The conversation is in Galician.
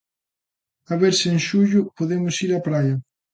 A ver se en xullo podemos ir á praia.